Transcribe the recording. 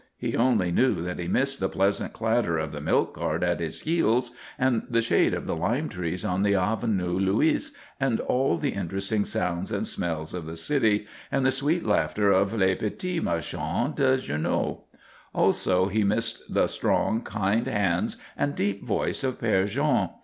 He only knew that he missed the pleasant clatter of the milk cart at his heels, and the shade of the lime trees on the Avenue Louise, and all the interesting sounds and smells of the city, and the sweet laughter of les petites marchandes de journaux. Also he missed the strong, kind hands and deep voice of Père Jean.